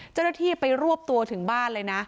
เจ้าหน้าที่ไปรวบตัวถึงบ้านเลยนะ